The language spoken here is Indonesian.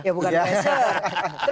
ya bukan pressure